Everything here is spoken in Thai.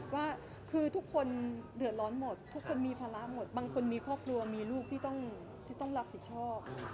ว่าคือทุกคนเดือดร้อนหมดทุกคนมีภาระหมดบางคนมีครอบครัวมีลูกที่ต้องรับผิดชอบ